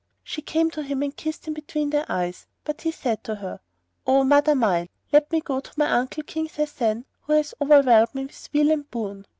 She came to him and kissed him between the eyes, but he said to her, "O mother mine, let me go to my uncle King Sasan who hath overwhelmed me with weal and boon."